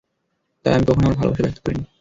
তাই আমি কখনো আমার ভালোবাসা ব্যক্ত করিনি।